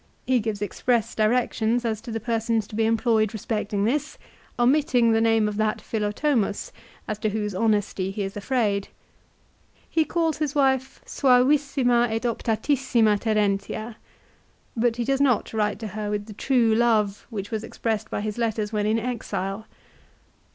He gives express directions as to the persons to be employed respecting this, omitting the name of that Philotomus as to whose honesty he is afraid. He calls his wife, "suavissima et optatissima Terentia," but he does not write to her with the true love which was expressed by his letters when in exile.